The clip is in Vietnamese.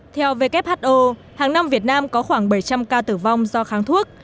theo who hàng năm việt nam có khoảng bảy trăm linh ca tử vong do kháng thuốc